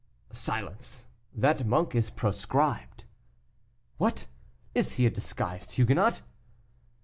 "Silence! that monk is proscribed." "What! is he a disguised Huguenot?"